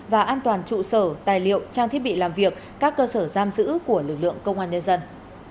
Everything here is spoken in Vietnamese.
và an toàn trụ sở tài liệu trang thiết bị làm việc các cơ sở giam giữ của lực lượng công an nhân dân